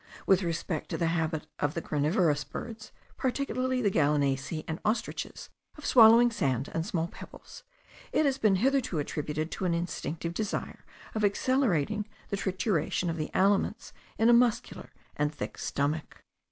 With respect to the habit of the granivorous birds, particularly the gallinaceae and ostriches, of swallowing sand and small pebbles, it has been hitherto attributed to an instinctive desire of accelerating the trituration of the aliments in a muscular and thick stomach.